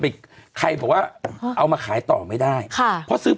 เป็นการกระตุ้นการไหลเวียนของเลือด